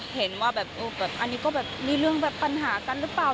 เห็นว่าแบบอันนี้ก็แบบมีเรื่องแบบปัญหากันหรือเปล่า